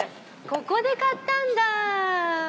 ここで買ったんだ。